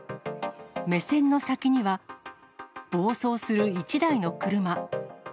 目線の先には、暴走する１台の車。